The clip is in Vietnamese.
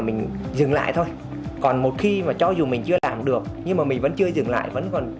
mình dừng lại thôi còn một khi mà cho dù mình chưa làm được nhưng mà mình vẫn chưa dừng lại vẫn còn